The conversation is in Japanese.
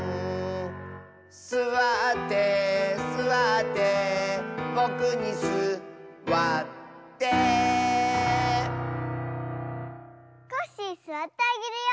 「すわってすわってぼくにす・わっ・て！」コッシーすわってあげるよ。